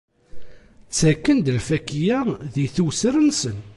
Ttaken-d lfakya di tewser-nsen.